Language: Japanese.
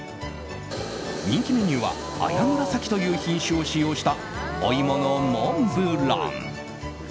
人気メニューは綾紫という品種を使用したお芋のモンブラン。